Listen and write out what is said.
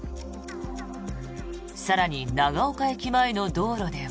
更に長岡駅前の道路では。